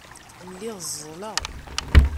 Lliɣ ẓẓleɣ.